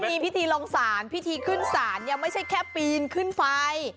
มีพิธีลงศาลพิธีขึ้นศาลยังไม่ใช่แค่ปีนขึ้นไฟ